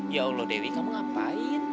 ya allah dewi kamu ngapain